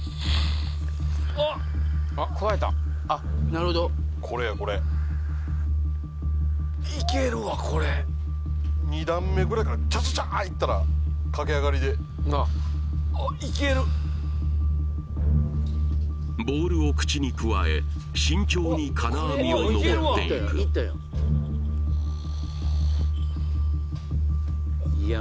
おっあくわえたなるほどこれやこれいけるわこれ２段目ぐらいからチャチャチャいったら駆け上がりであいけるボールを口にくわえ慎重に金網を登っていくいや